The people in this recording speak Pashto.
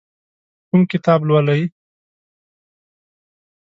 کوم کتاب لولئ؟